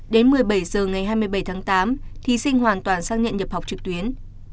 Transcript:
đến một mươi bảy h ngày hai mươi bảy tháng tám thí sinh hoàn toàn xác nhận nhập học trực tuyến